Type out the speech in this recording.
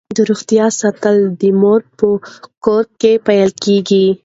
د روغتیا ساتل د مور په کور کې پیل کیږي.